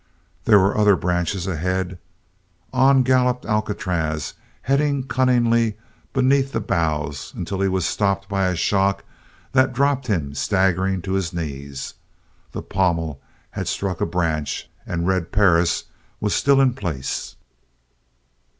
There were other branches ahead. On galloped Alcatraz, heading cunningly beneath the boughs until he was stopped by a shock that dropped him staggering to his knees. The pommel had struck a branch and Red Perris was still in place.